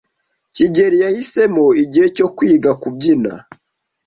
kigeli yahisemo igihe cyo kwiga kubyina.